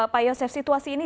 pak yosef situasi ini